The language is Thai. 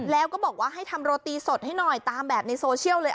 แล้วก็บอกว่าให้ทำโรตีสดให้หน่อยตามแบบในโซเชียลเลย